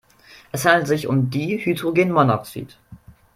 Es handelt sich um Dihydrogenmonoxid.